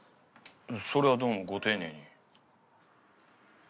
それはどうもご丁寧に。